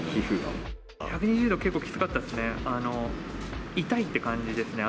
１２０度、結構きつかったですね。